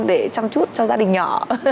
để chăm chút cho gia đình nhỏ